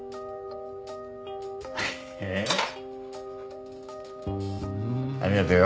ええ？ありがとよ。